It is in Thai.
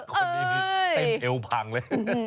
คนนี้นี่เต้นเอวพังเลย